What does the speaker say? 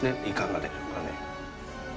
いかがですかね？